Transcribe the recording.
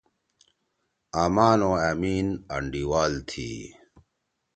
آمان او آمین اینڈیوال تھی۔